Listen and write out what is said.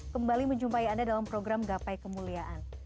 kembali menjumpai anda dalam program gapai kemuliaan